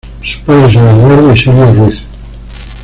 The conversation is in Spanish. Sus padres son Eduardo y Sylvia Ruiz.